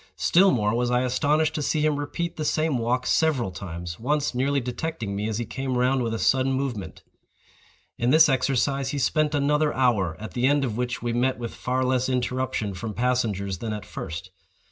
Still more was I astonished to see him repeat the same walk several times—once nearly detecting me as he came round with a sudden movement. In this exercise he spent another hour, at the end of which we met with far less interruption from passengers than at first.